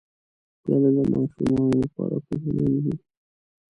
پیاله د ماشومانو لپاره کوچنۍ وي.